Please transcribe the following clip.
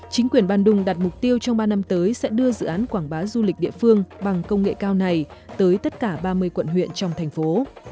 chính quyền bandung đặt mục tiêu trong ba năm tới sẽ đưa dự án quảng bá du lịch địa phương bằng công nghệ cao này tới tất cả ba mươi quận huyện trong thành phố